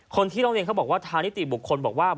คนที่ร้องเรียนเขาบอกว่าทางนิติบุคคลบอกว่า